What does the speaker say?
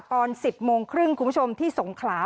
ตอน๑๐โมงครึ่งคุณผู้ชมที่สงขลา